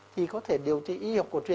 thì có thể điều trị y học cổ truyền